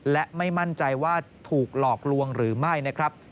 และไม่มั่นใจว่าถูกหลอกลวงหรือไม่นะครับ